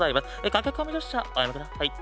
駆け込み乗車おやめ下さい。